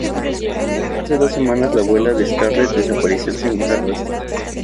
Hace dos semanas la abuela de Scarlet desapareció sin dejar rastro.